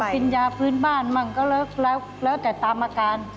ก็กินยาฟื้นบ้านบ้างแล้วแต่ตามอาการ